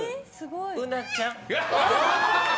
うなちゃん。